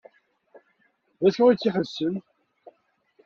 D acu ay tt-iḥebsen?